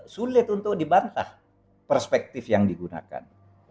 sulit untuk dibantah perspektif yang digunakan